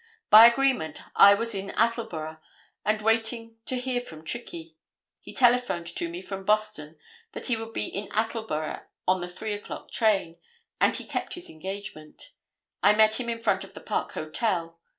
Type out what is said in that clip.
By agreement I was in Attleboro and waiting to hear from Trickey. He telephoned to me from Boston that he would be in Attleboro on the 3 o'clock train, and he kept his engagement. I met him in front of the Park Hotel.